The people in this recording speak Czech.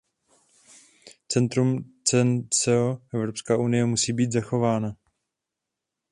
Ceterum censeo, Evropská unie musí být zachována.